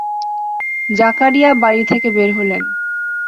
জাকারিয়া বাড়ি থেকে বের হলেন।